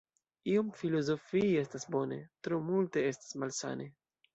Iom filozofii estas bone, tro multe estas malsane.